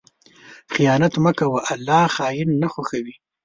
خیانت مه کوه، الله خائن نه خوښوي.